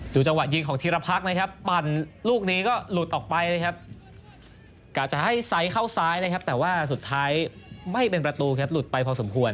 อยู่จังหวะยิงของธีรภักษ์นะครับปั่นลูกนี้ก็หลุดออกไปนะครับ